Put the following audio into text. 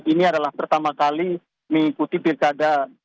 ini adalah pertama kali mengikuti pilkada